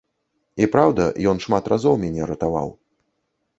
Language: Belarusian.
І праўда, ён шмат разоў мяне ратаваў.